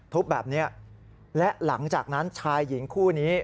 ทุบแบบนี้และหลังจากนั้นชายหญิงคู่นี้